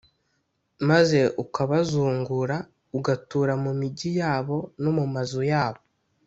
maze ukabazungura, ugatura mu migi yabo no mu mazu yabo,